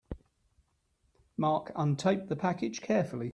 Mark untaped the package carefully.